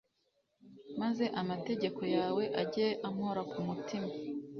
maze amategeko yawe ajye ampora ku mutima»